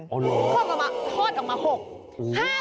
อ๋อเหรอคอกออกมา๖